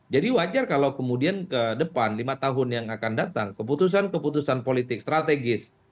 jadi wajar kalau kemudian ke depan lima tahun yang akan datang keputusan keputusan politik strategis